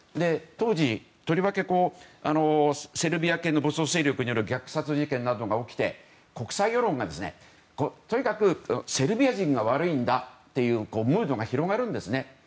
当時、とりわけセルビア系の武装勢力による虐殺事件などが起きて国際世論がとにかくセルビア人が悪いんだというムードが広がるんですね。